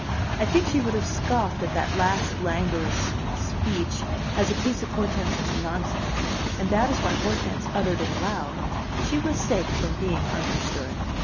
I think she would have scoffed at that last languorous speech as a piece of Hortense's nonsense, and that is why Hortense uttered it aloud: she was safe from being understood.